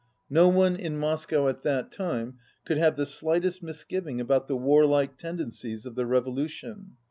No one in Moscow at that time could have the slightest misgiving about the warlike tendencies of the revolution.